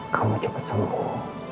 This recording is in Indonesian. kamu cepat sembuh